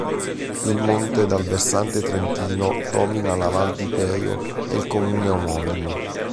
Il monte dal versante trentino domina la Val di Peio ed il comune omonimo.